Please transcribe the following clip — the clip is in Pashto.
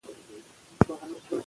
نوې لارې چارې د ټولنې بڼه بدلوي.